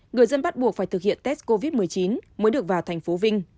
người dân bắt buộc phải thực hiện test covid một mươi chín mới được vào thành phố vinh